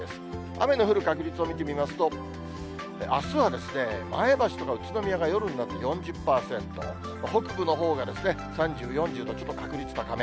雨の降る確率を見てみますと、あすは前橋とか宇都宮が夜になって４０％、北部のほうが３０、４０とちょっと確率高め。